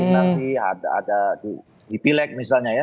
nanti ada di pileg misalnya ya